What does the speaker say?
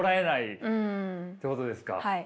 はい。